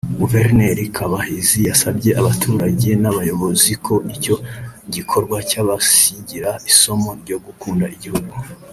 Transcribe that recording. Guverineri Kabahizi yasabye abaturage n’abayobozi ko icyo gikorwa cyabasigira isomo ryo gukunda igihugu